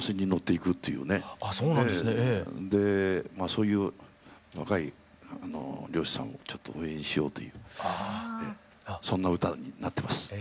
そういう若い漁師さんをちょっと応援しようというそんな歌になってます。